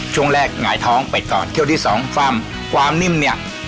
ช่วงแรกหงายท้องไปก่อนเที่ยวที่สองความความนิ่มเนี่ย